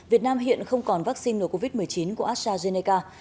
việt nam hiện không còn vaccine ngừa covid một mươi chín của astrazeneca